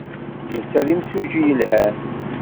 Netta d imsujji yelhan.